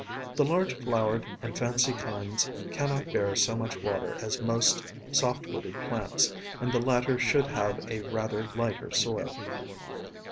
The large flowered and fancy kinds cannot bear so much water as most soft wooded plants, and the latter should have a rather lighter soil.